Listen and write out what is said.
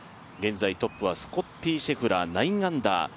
現在トップはスコッティ・シェフラー、９アンダー。